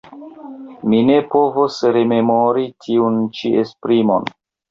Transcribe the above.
Mi ne povos rememori tiun ĉi esprimon.